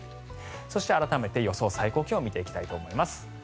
そして改めて予想最高気温を見ていきたいと思います。